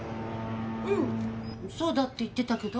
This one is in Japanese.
うんそうだって言ってたけど？